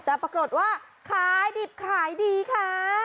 แต่ปรากฏว่าขายดิบขายดีค่ะ